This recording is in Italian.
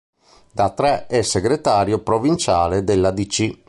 Da tre è segretario provinciale della Dc.